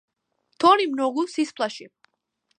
Тони многу се исплаши.